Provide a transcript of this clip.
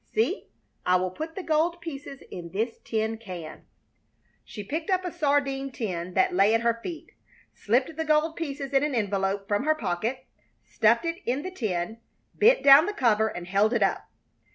See, I will put the gold pieces in this tin can." She picked up a sardine tin that lay at her feet, slipped the gold pieces in an envelope from her pocket, stuffed it in the tin, bent down the cover, and held it up.